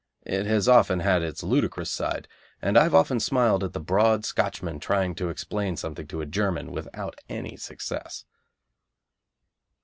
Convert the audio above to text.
It has often had its ludicrous side, and I have often smiled at the broad Scotchman trying to explain something to a German without any success.